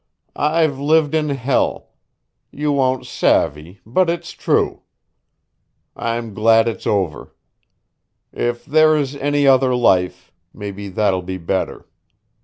I've lived in hell you won't savvy, but it's true. I'm glad it's over. If there is any other life maybe that'll be better.